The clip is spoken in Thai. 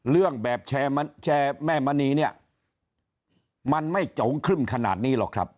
เรื่องแบบแชร์แม่มณีเนี่ยมันไม่โจ๋งครึ่มขนาดนี้หรอกครับ